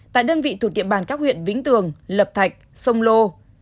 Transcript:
tại đơn vị thuộc địa bàn các huyện vĩnh tường lập thạch sông lô